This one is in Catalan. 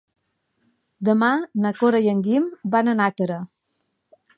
Demà na Cora i en Guim van a Nàquera.